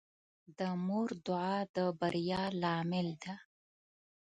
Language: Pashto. د مور دعا د بریا لامل ده.